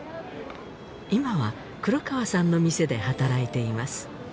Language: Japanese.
今は黒川さんの店で働いています